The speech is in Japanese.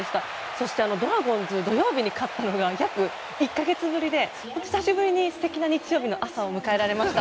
そして、ドラゴンズ土曜日に勝ったのが約１か月ぶりで本当に久しぶりに素敵な日曜日の朝を迎えられました。